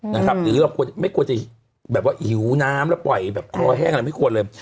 หรือไม่ควรจะหิวน้ำแล้วปล่อยคล้อแห้งอะไรไม่ควรเลย